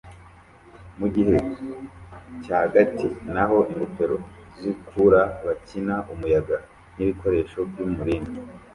mu gihe cyagati naho ingofero zitukura bakina umuyaga nibikoresho byumuringa